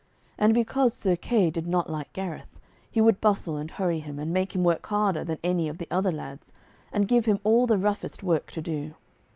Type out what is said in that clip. And because Sir Kay did not like Gareth, he would bustle and hurry him, and make him work harder than any of the other lads, and give him all the roughest work to do.